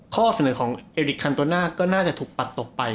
ข้อเสนอของเอริกคันโตน่าก็น่าจะถูกปัดตกไป